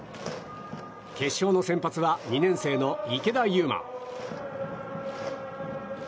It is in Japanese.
決勝の先発は２年生の池田悠舞。